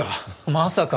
まさか！